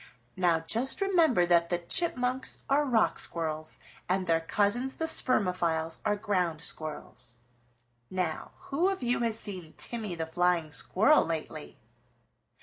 Now just remember that the Chipmunks are Rock Squirrels and their cousins the Spermophiles are Ground Squirrels. Now who of you has seen Timmy the Flying Squirrel lately?"